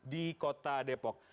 di kota depok